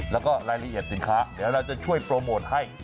แล้วก็รายละเอียดสินค้าเดี๋ยวเราจะช่วยโปรโมทให้